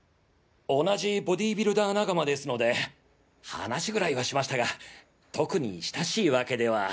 同じボディビルダー仲間ですので話ぐらいはしましたが特に親しいわけでは。